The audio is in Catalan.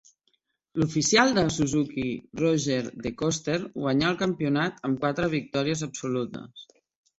L'oficial de Suzuki Roger De Coster guanyà el campionat amb quatre victòries absolutes.